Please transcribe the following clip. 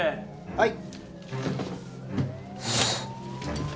はい。